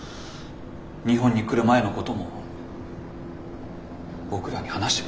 日本に来る前のことも僕らに話してくれなかった。